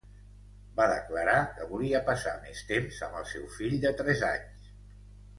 Va declarar que volia passar més temps amb el seu fill de tres anys.